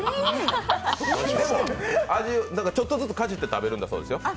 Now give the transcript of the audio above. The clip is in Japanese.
ちょっとずつかじって食べるんだそうですよ。